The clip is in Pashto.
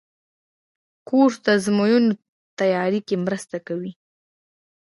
کورس د ازموینو تیاري کې مرسته کوي.